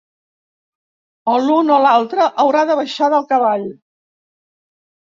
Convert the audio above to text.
O l’un o l’altre haurà de baixar del cavall.